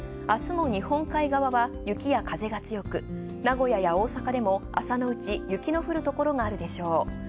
明日も日本海側は雪や風が強く、名古屋や大阪でも朝のうち雪の降るところがあるでしょう。